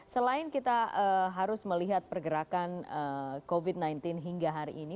selain kita harus melihat pergerakan covid sembilan belas hingga hari ini